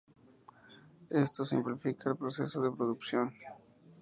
Esto simplifica el proceso de producción.